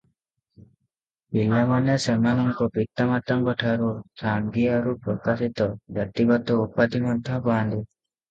ପିଲାମାନେ ସେମାନଙ୍କ ପିତାମାତାଙ୍କଠାରୁ ସାଙ୍ଗିଆରୁ ପ୍ରକାଶିତ ଜାତିଗତ ଉପାଧି ମଧ୍ୟ ପାଆନ୍ତି ।